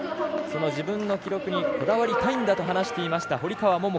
その自分の記録に、こだわりたいんだと話していました